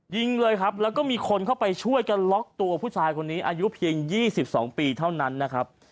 ยิงเลยครับแล้วก็มีคนเข้าไปช่วยกันล็อกตัวผู้ชายคนนี้อายุเพียง๒๒ปีเท่านั้นนะครับ